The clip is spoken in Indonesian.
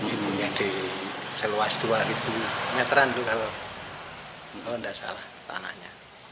ibunya di seluas dua meteran tuh kalau enggak salah tanahnya